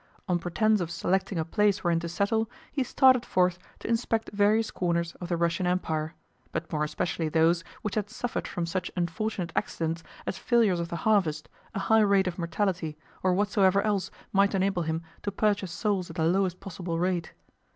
On pretence of selecting a place wherein to settle, he started forth to inspect various corners of the Russian Empire, but more especially those which had suffered from such unfortunate accidents as failures of the harvest, a high rate of mortality, or whatsoever else might enable him to purchase souls at the lowest possible rate.